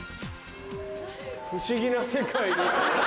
不思議な世界に。